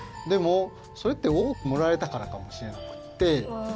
でもそれっておおくもられたからかもしれなくって。